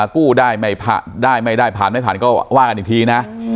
กู้ได้ไม่ผ่านได้ไม่ได้ผ่านไม่ผ่านก็ว่ากันอีกทีนะ